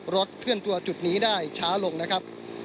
เคลื่อนตัวจุดนี้ได้ช้าลงนะครับ